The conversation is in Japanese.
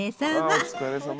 お疲れさま。